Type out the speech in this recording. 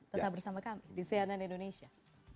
tetap bersama kami di sehat dan indonesia